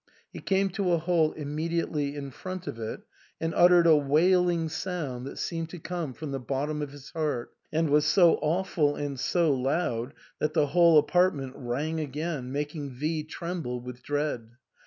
He came to a halt immediately in front of it, and uttered a wail ing sound that seemed to come from the bottom of his heart, and was so awful and so loud that the whole apartment rang again, making V tremble with dread.